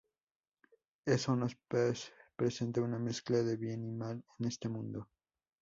Eso nos presenta una mezcla de bien y mal en este mundo.